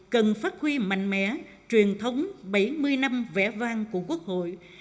cần phát huy mạnh mẽ truyền thống bảy mươi năm vẽ vang của quốc hội